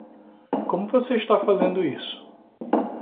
Como você está fazendo isso?